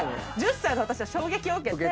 １０歳の私は衝撃を受けて。